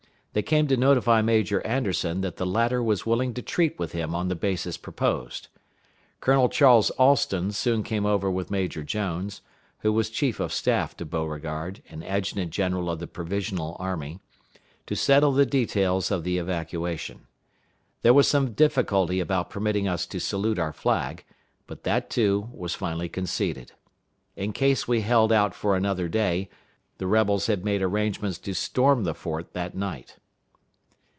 They came to notify Major Anderson that the latter was willing to treat with him on the basis proposed. Colonel Charles Alston soon came over with Major Jones (who was chief of staff to Beauregard, and adjutant general of the Provisional Army), to settle the details of the evacuation. There was some difficulty about permitting us to salute our flag; but that, too, was finally conceded. In case we held out for another day, the rebels had made arrangements to storm the fort that night.